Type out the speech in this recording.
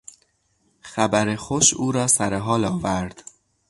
خبر خوش او را سر حال آورد.